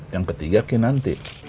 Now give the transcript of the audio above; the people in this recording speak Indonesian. yang ketiga kinanti